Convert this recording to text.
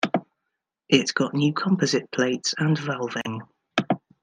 It got new composite plates and valving.